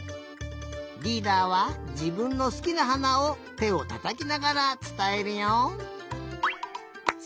リーダーはじぶんのすきなはなをてをたたきながらつたえるよ。